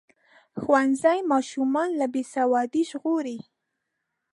ښوونځی ماشومان له بې سوادۍ ژغوري.